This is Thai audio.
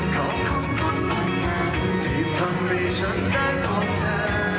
ขอบคุณทุกคนมากที่ทำให้ฉันได้ขอบเธอ